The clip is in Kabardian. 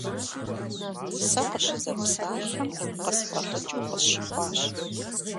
Сэ къыщызэпсалъэм къысфӀэлӀыкӀыу къысщыхъуащ.